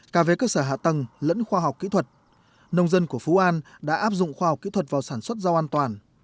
cả về cơ sở hạ tầng lẫn khoa học kỹ thuật nông dân của phú an đã áp dụng khoa học kỹ thuật vào sản xuất rau an toàn